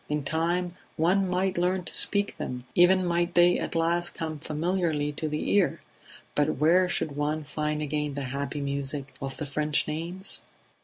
In time one might learn to speak them, even might they at last come familiarly to the ear; but where should one find again the happy music of the French names?